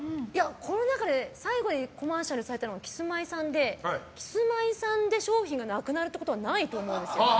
この中で最後にコマーシャルされたのがキスマイさんでキスマイさんで商品がなくなるってことはないと思うんです。